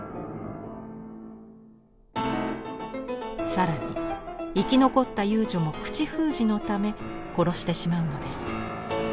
更に生き残った遊女も口封じのため殺してしまうのです。